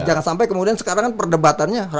jangan sampai kemudian sekarang kan perdebatannya